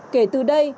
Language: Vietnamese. kể từ đây